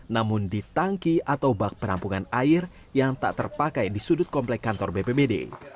namun di tangki atau bak penampungan air yang tak terpakai di sudut komplek kantor bpbd